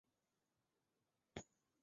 湖广孝感县人。